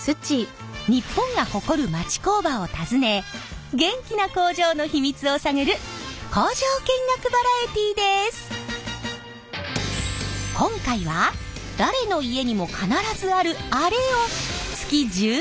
日本が誇る町工場を訪ね元気な工場の秘密を探る今回は誰の家にも必ずあるあれを月１０万箱作っている工場。